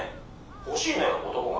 欲しいのよ男が」。